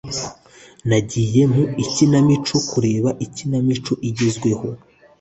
Nagiye mu ikinamico kureba ikinamico igezweho.